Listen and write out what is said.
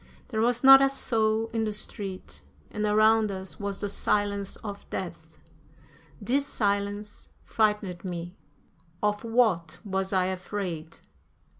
There was not a soul in the street, and around us was the silence of death. This silence frightened me. Of what was I afraid?